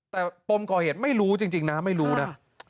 แต่ปมก่อเหตุไม่รู้จริงนะไม่รู้นะ